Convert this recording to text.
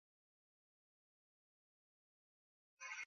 ukipondeponde viazi lishe vyako vizuri